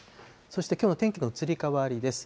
そしてきょうの天気の移り変わりです。